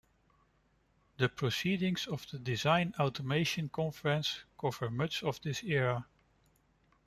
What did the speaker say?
The proceedings of the Design Automation Conference cover much of this era.